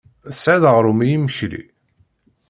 Tesɛiḍ aɣrum i yimekli?